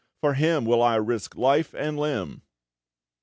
For him will I risk life and limb!"